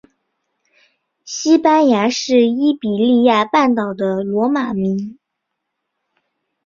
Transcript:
西班牙是伊比利亚半岛的罗马名。